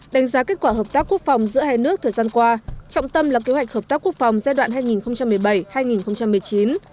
đánh giá kết quả hợp tác quốc phòng giữa hai nước thời gian qua trọng tâm là kế hoạch hợp tác quốc phòng giai đoạn hai nghìn một mươi bảy hai nghìn một mươi chín